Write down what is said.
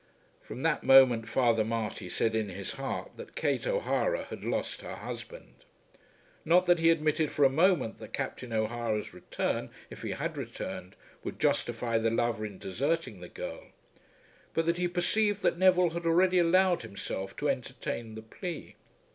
From that moment Father Marty said in his heart that Kate O'Hara had lost her husband. Not that he admitted for a moment that Captain O'Hara's return, if he had returned, would justify the lover in deserting the girl; but that he perceived that Neville had already allowed himself to entertain the plea.